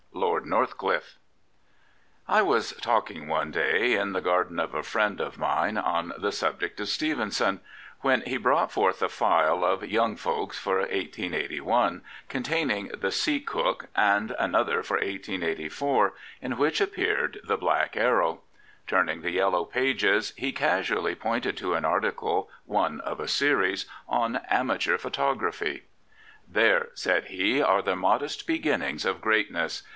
87 LORD NORTHCLIFFE I WAS talking one day in the garden of a friend of mine on the subject of Stevenson, when he brought forth a file of Young Folks for i88i, containing the " Sea Cook," and another for 1884, in which appeared the " Black Arrow." Turning the yellow pages, he casually pointed to an article, one of a series, on " Amateur Photography." " There," said he, " are the modest beginnings of greatness.